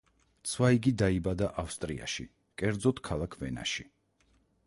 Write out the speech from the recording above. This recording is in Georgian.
ცვაიგი დაიბადა ავსტრიაში, კერძოდ ქალაქ ვენაში.